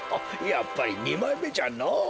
やっぱりにまいめじゃのぉ。